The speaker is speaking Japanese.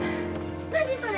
何それ？